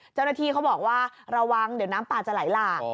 เจ้าหน้าที่เขาบอกว่าระวังเดี๋ยวน้ำปลาจะไหลหลาก